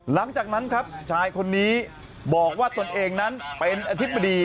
หลังจากนั้นครับชายคนนี้บอกว่าตนเองนั้นเป็นอธิบดี